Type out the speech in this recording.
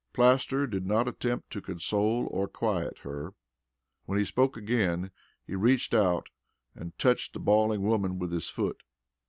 Plaster did not attempt to console or quiet her. When he spoke again, he reached out and touched the bawling woman with his foot.